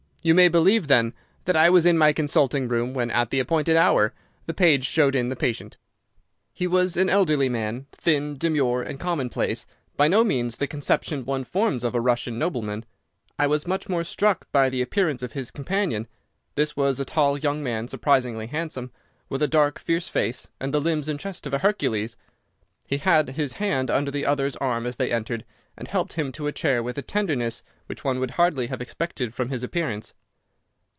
You may believe, then, that I was in my consulting room when, at the appointed hour, the page showed in the patient. "He was an elderly man, thin, demure, and commonplace—by no means the conception one forms of a Russian nobleman. I was much more struck by the appearance of his companion. This was a tall young man, surprisingly handsome, with a dark, fierce face, and the limbs and chest of a Hercules. He had his hand under the other's arm as they entered, and helped him to a chair with a tenderness which one would hardly have expected from his appearance.